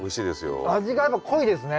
味がやっぱ濃いですね。